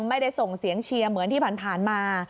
ไม่ได้ส่งเสียงเชียร์เหมือนที่ผ่านมา